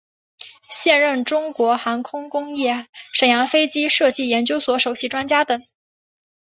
现任中国航空工业沈阳飞机设计研究所首席专家等。